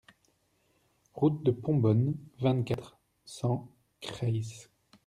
Route de Pombonne, vingt-quatre, cent Creysse